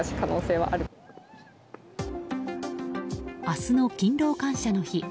明日の勤労感謝の日